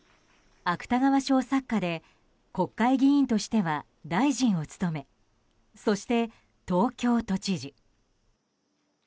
芥川賞作家で国会議員としては大臣を務めそして、東京都知事。